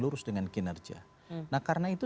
lurus dengan kinerja nah karena itu